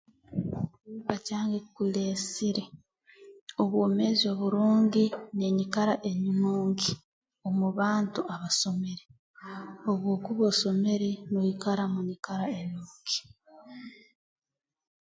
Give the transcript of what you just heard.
[unintelligible] kireesere obwomeezi oburungi n'enyikara enungi omu bantu abasomere obu okuba osomere noikara mu nyikara enungi